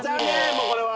もうこれは。